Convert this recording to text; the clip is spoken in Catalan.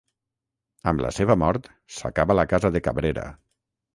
Amb la seva mort, s'acaba la casa de Cabrera.